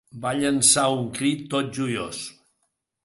Va llençar un crit tot joiós